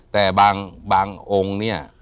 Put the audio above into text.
แต่บางองค์เนี่ย